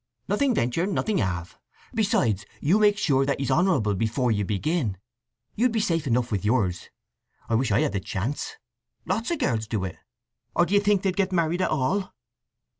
"Nothing venture nothing have! Besides, you make sure that he's honourable before you begin. You'd be safe enough with yours. I wish I had the chance! Lots of girls do it; or do you think they'd get married at all?"